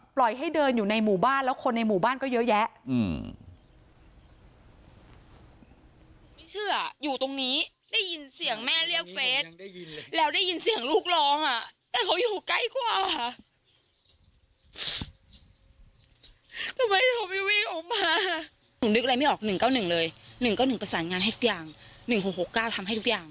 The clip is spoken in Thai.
ปล่อยให้เดินอยู่ในหมู่บ้านแล้วคนในหมู่บ้านก็เยอะแยะ